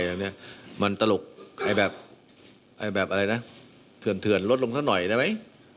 อย่างนี้มันตลกไอ้แบบไอ้แบบอะไรล่ะเผื่อนเผื่อนลดลงเท่าหน่อยไหม